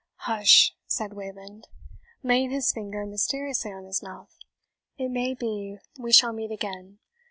"Hush!" said Wayland, laying his finger mysteriously on his mouth; "it may be we shall meet again.